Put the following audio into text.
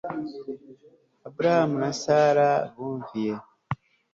Aburahamu na Sara bumviye